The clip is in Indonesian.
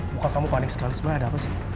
buka kamu panik sekali siva ada apa sih